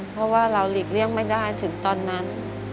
เพราะว่าเราหลีกเลี่ยงไม่ได้ถึงตอนนั้น